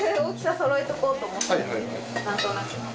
大きさそろえとこうと思って。